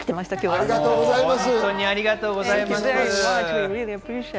ありがとうございます。